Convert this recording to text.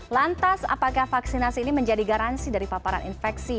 lantas apakah vaksinasi ini menjadi garansi dari paparan infeksi